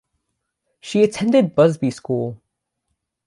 She attended Busby School.